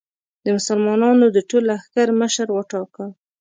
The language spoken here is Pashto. د مسلمانانو د ټول لښکر مشر وټاکه.